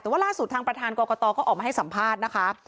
แต่ว่าล่าสุดทางประธานกรกตก็ออกมาให้สัมภาษณ์นะคะ